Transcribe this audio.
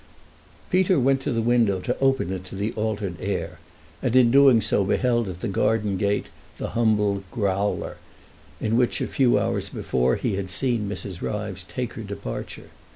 Peter went to the window to open it to the altered air, and in doing so beheld at the garden gate the humble "growler" in which a few hours before he had seen Mrs. Ryves take her departure.